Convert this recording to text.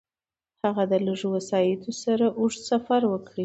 هغه د لږو وسایلو سره اوږد سفر وکړ.